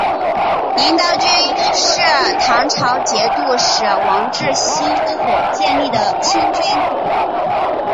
银刀军是唐朝节度使王智兴所建立的亲军。